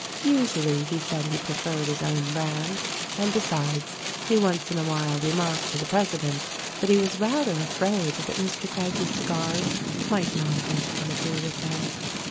Usually he said he preferred his own brand; and besides. he once in a while remarked to the president that he was rather afraid that Mr. Craggie's cigars might not eventually agree with him.